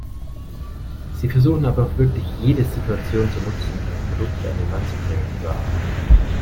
Sie versuchen aber auch wirklich jede Situation zu nutzen, um Produkte an den Mann zu bringen, nicht wahr?